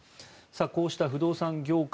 こうした不動産業界